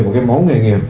một cái máu nghề nghiệp